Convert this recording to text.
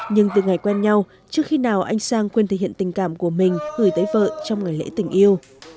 nhưng từ ngày quen nhau trước khi nào anh sang quên thể hiện tình cảm của mình gửi tới vợ trong ngày lễ tình yêu